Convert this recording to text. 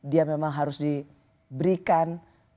dia memang harus diberikan